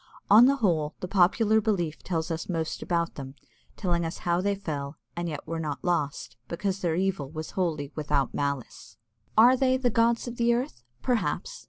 On the whole, the popular belief tells us most about them, telling us how they fell, and yet were not lost, because their evil was wholly without malice. Are they "the gods of the earth?" Perhaps!